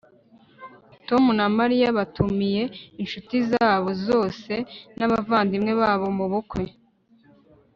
tom na mariya batumiye inshuti zabo zose n'abavandimwe babo mubukwe